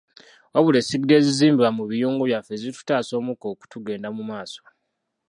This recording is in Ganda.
Wabula essigiri ezizimbibwa mu biyungu byaffe zitutaasa omukka okutugenda mu maaso.